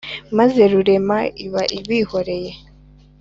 Maze Rurema iba ibihoreye